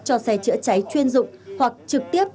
cho xe trợ cháy chuyên dùng hoặc trực tiếp